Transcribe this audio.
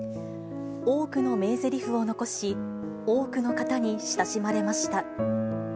多くの名ぜりふを残し、多くの方に親しまれました。